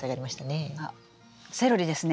あセロリですね？